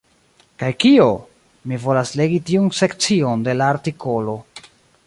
Kaj kio? Mi volas legi tiun sekcion de la artikolo.